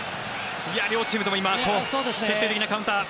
両チームとも今決定的なカウンター。